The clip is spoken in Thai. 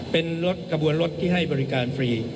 เป็นรถกระบวนรถที่ให้บริการฟรี